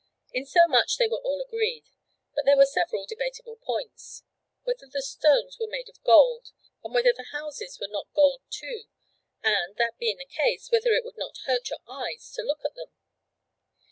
In so much they were all agreed, but there were several debatable points. Whether the stones were made of gold, and whether the houses were not gold too, and, that being the case, whether it would not hurt your eyes to look at them.